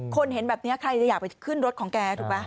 เห็นแบบนี้ใครจะอยากไปขึ้นรถของแกถูกไหม